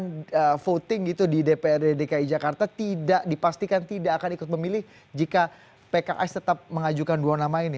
kemudian voting gitu di dprd dki jakarta tidak dipastikan tidak akan ikut memilih jika pks tetap mengajukan dua nama ini